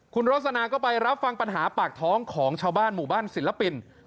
คุณโรสนาก็ไปรับฟังปัญหาปากท้องของชาวบ้านหมู่บ้านศิลปิน